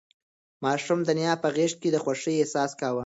ماشوم د نیا په غېږ کې د خوښۍ احساس کاوه.